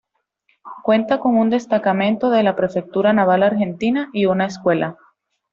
Cuenta con un destacamento de la Prefectura Naval Argentina y una escuela.